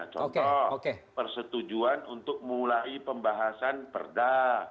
contoh persetujuan untuk mulai pembahasan perda